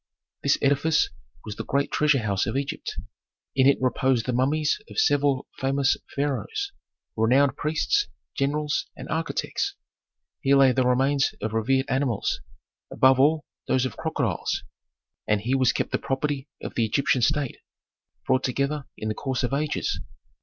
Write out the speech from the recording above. This edifice was the great treasure house of Egypt. In it reposed the mummies of several famous pharaohs, renowned priests, generals, and architects. Here lay the remains of revered animals, above all, those of crocodiles. And here was kept the property of the Egyptian state, brought together in the course of ages.